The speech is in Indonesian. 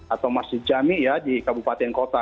atau masjid jami ya di kabupaten kota